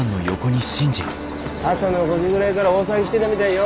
朝の５時ぐらいがら大騒ぎしてだみだいよ。